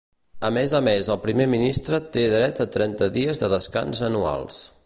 A més a més el primer ministre té dret a trenta dies de descans anuals.